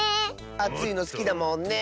あついのすきだもんねえ？